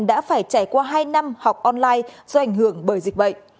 đã phải trải qua hai năm học online do ảnh hưởng bởi dịch bệnh